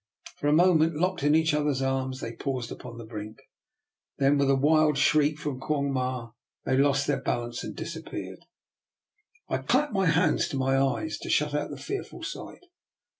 For a moment, locked in each other's arms, they paused upon the brink; then, with a wild shriek from Quong Ma, they lost their bal ance and disappeared. I clapped my hands to my eyes to shut out the fearful sight.